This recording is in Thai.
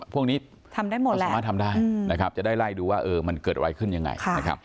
พวกนี้เขาสามารถทำได้จะได้ไล่ดูว่ามันเกิดอะไรขึ้นยังไง